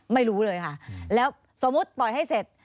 ไม่รู้เลยค่ะแล้วสมมุติปล่อยให้เสร็จ